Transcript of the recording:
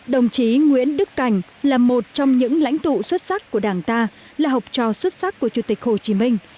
đồng chí nguyễn đức cảnh là một trong những lãnh tụ xuất sắc của đảng ta là học trò xuất sắc của chủ tịch hồ chí minh